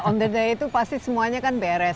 on the day itu pasti semuanya kan beres